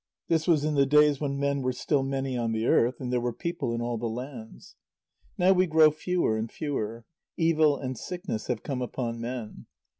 This was in the days when men were still many on the earth, and there were people in all the lands. Now we grow fewer and fewer. Evil and sickness have come upon men.